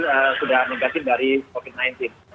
sudah negatif dari covid sembilan belas